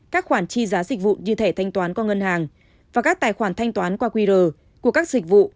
các khoản chi giá dịch vụ như thẻ thanh toán qua ngân hàng và các tài khoản thanh toán qua qr của các dịch vụ